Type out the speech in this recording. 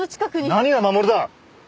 何が守るだ！